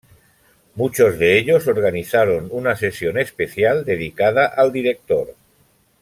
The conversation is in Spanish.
Muchos de ellos organizaron una sesión especial dedicada al director.